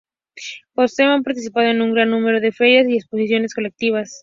Joseph ha participado en un gran número de ferias y exposiciones colectivas.